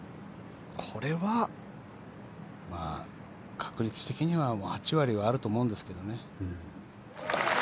確率的には８割はあると思うんですけどね。